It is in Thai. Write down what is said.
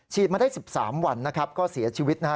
มาได้๑๓วันนะครับก็เสียชีวิตนะฮะ